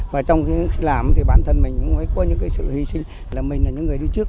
và trong khi làm thì bản thân mình cũng mới có những sự hy sinh là mình là những người đi trước